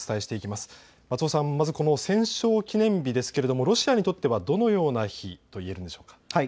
まずこの戦勝記念日ですがロシアにとってはどのような日と言えるんでしょうか。